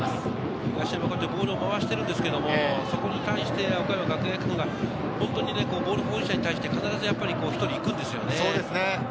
東山、ボールを回しているんですが、岡山学芸館がボール保持者に対して必ず１人行くんですよね。